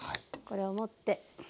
これを持って。